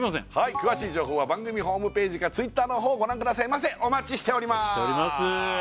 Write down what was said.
詳しい情報は番組ホームページかＴｗｉｔｔｅｒの方をご覧くださいませお待ちしております